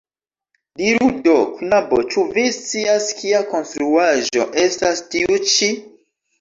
Diru do, knabo, ĉu vi scias kia konstruaĵo estas tiu ĉi?